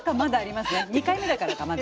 ２回目だからかまだ。